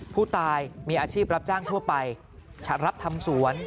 ผู้ตายมีอาชีพรับจ้างทั่วไปจะรับทำสวน